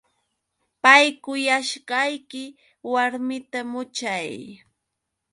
Pay kuyashqayki warmita muchay.